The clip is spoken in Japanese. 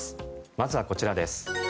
まずはこちらです。